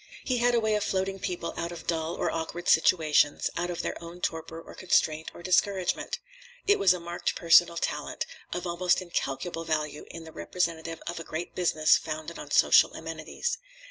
He had a way of floating people out of dull or awkward situations, out of their own torpor or constraint or discouragement. It was a marked personal talent, of almost incalculable value in the representative of a great business founded on social amenities.